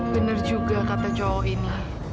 benar juga kata cowok ini